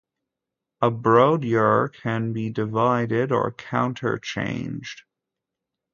A bordure can be divided or counter-changed.